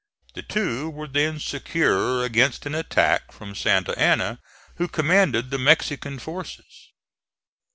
The two were then secure against an attack from Santa Anna, who commanded the Mexican forces.